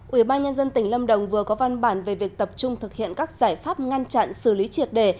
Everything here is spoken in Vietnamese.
ủy ban nhân dân tỉnh lâm đồng vừa có văn bản về việc tập trung thực hiện các giải pháp ngăn chặn xử lý triệt đề